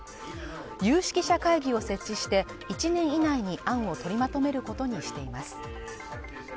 有識者会議を設置して１年以内に案を取りまとめることにしています。